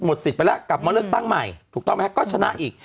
หมดสิทธิไปแล้วกลับมาเริ่มตั้งใหม่ถูกต้องไหมก็ชนะอีก